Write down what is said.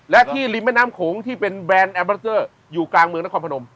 และที่ริมแม่น้ำโขงที่เป็นแบรนด์แอมบรัสเตอร์อยู่กลางเมืองนครพนม